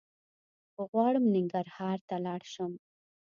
غواړم ننګرهار ته لاړ شم